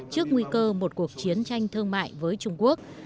trước nguy cơ một cuộc chiến tranh thương mại với trung quốc